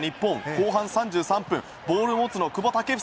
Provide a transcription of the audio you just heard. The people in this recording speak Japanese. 後半３３分ボールを持つのは久保建英。